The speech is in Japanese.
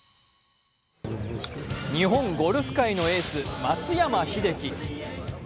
日本ゴルフ界のエース松山英樹。